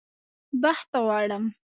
بخت غواړم